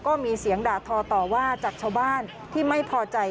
ก็มีเสียงด่าทอต่อว่าจากชาวบ้านที่ไม่พอใจ